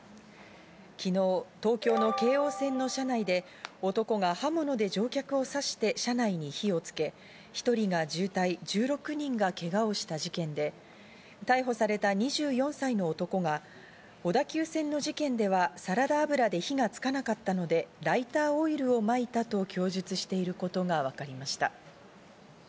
昨日、東京の京王線の車内で男が刃物で乗客を刺して車内に火をつけ、１人が重体、１６人がけがをした事件で、逮捕された２４歳の男が小田急線の事件ではサラダ油で火がつかなかったので、ライターオイルをまいたと供述していることがわかりました。